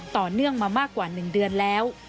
ต่อเนื่องมามากกว่า๑เดือนแล้ว